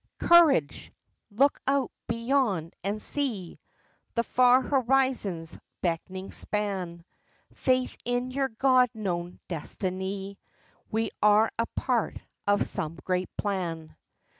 Courage! Look out, beyond, and see The far horizon's beckoning span! Faith in your God known destiny! We are a part of some great plan.